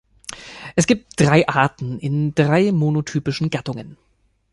Es gibt drei Arten, in drei monotypischen Gattungen.